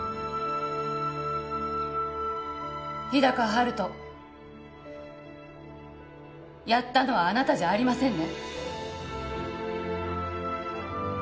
日高陽斗やったのはあなたじゃありませんね？